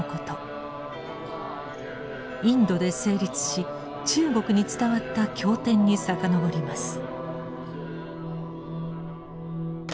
インドで成立し中国に伝わった経典に遡ります。